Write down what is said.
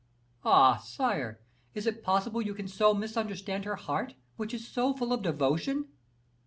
"Ah! sire, is it possible you can so misunderstand her heart, which is so full of devotion?"